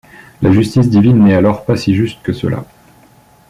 La justice divine n’est alors pas si juste que cela.